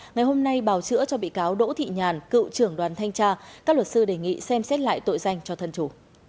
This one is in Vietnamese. ngày hôm nay bào chữa cho bị cáo đỗ thị nhàn cựu trưởng đoàn thanh tra các luật sư đề nghị xem xét lại tội danh cho thân chủ